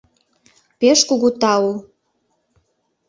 Пеш кугу тау!